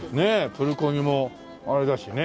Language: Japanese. プルコギもあれだしね。